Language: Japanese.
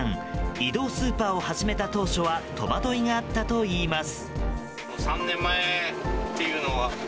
移動スーパーを始めた当初は戸惑いがあったといいます。